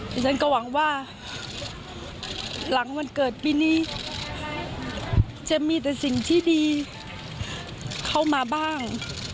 ฉันก็หวังว่าหลังวันเกิดปีนี้จะมีแต่สิ่งที่ดีเข้ามาบ้าง